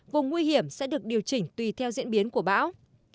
vùng nguy hiểm sẽ được điều chỉnh tùy theo diễn biến của bão